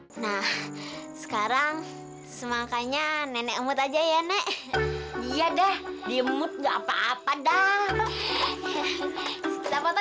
hai nah sekarang semangkanya nenek mut aja ya nek iya dah di mut gak apa apa dah